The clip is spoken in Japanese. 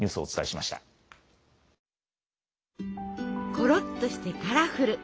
ころっとしてカラフル！